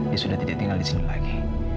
dia sudah tidak tinggal di sini lagi